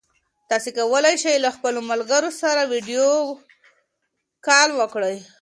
تاسي کولای شئ له خپلو ملګرو سره ویډیو کال وکړئ.